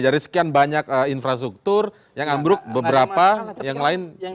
dari sekian banyak infrastruktur yang ambruk beberapa yang lain